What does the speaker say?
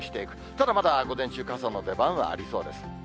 ただ、まだ午前中、傘の出番はありそうです。